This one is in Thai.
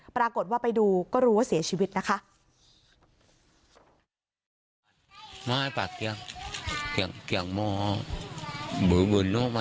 ปรากฏว่าไปดูก็รู้ว่าเสียชีวิตนะคะ